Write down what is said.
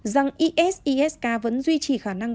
rằng isis k vẫn duy trì khả năng